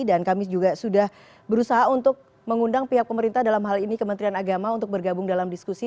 dan kami juga sudah berusaha untuk mengundang pihak pemerintah dalam hal ini kementerian agama untuk bergabung dalam diskusi